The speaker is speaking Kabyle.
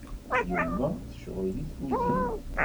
Yemma tecɣel deg tkuzint.